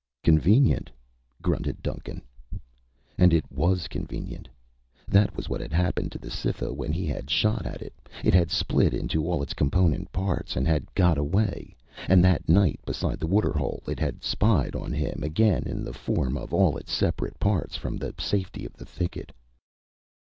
"Convenient," grunted Duncan. And it was convenient. That was what had happened to the Cytha when he had shot at it it had split into all its component parts and had got away. And that night beside the waterhole, it had spied on him, again in the form of all its separate parts, from the safety of the thicket.